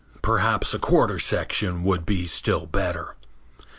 Perhaps a quarter section would be still better.